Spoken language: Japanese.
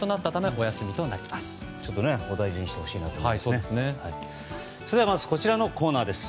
お大事にしてほしいなと思います。